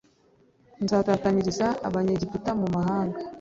Nzatatanyiriza Abanyegiputa mu mahanga